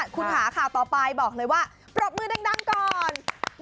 คุณค่ะข่าวต่อไปบอกเลยว่าปรบมือดังก่อน